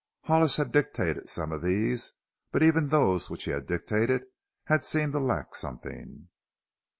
Hollis had dictated some of these, but even those which he had dictated had seemed to lack something.